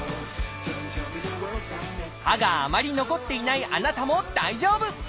歯があまり残っていないあなたも大丈夫！